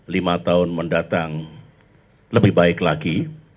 lima tahun mendatang lebih baik lagi